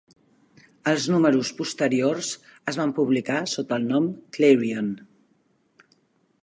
Els números posteriors es van publicar sota el nom "Clarion".